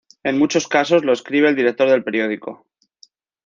En muchos casos, lo escribe el director del periódico.